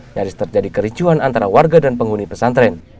nyaris terjadi kericuan antara warga dan penghuni pesantren